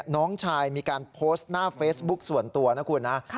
น้องชายมีการโพสต์หน้าเฟซบุ๊กส่วนตัวนะคุณนะ